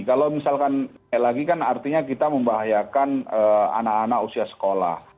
kalau misalkan naik lagi kan artinya kita membahayakan anak anak usia sekolah